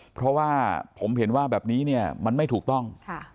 เพราะว่าผมเห็นว่าแบบนี้เนี่ยมันไม่ถูกต้อง